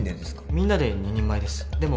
みんなで２人前ですでも